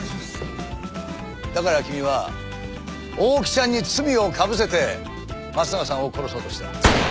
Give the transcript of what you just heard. だから君は大木ちゃんに罪をかぶせて松永さんを殺そうとした。